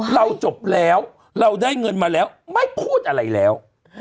เราจบแล้วเราได้เงินมาแล้วไม่พูดอะไรแล้ว